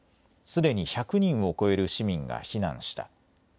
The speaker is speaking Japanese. すでに１００人を超える市民が避難した。